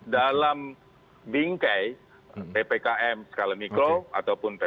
dalam bingkai ppkm skala mikro ataupun ppkm